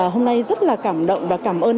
hôm nay rất là cảm động và cảm ơn